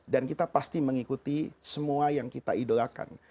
dan kita pasti mengikuti semua yang kita idolakan